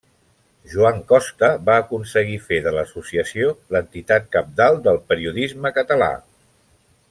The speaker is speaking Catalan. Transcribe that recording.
Joan Costa va aconseguir fer de l'associació l'entitat cabdal del periodisme català.